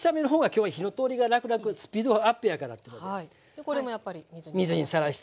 でこれもやっぱり水にさらして。